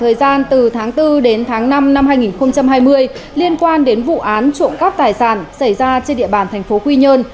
thời gian từ tháng bốn đến tháng năm năm hai nghìn hai mươi liên quan đến vụ án trộm cắp tài sản xảy ra trên địa bàn thành phố quy nhơn